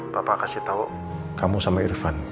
papa kasih tau kamu sama irfan